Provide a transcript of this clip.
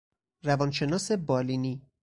روانشناس بالینی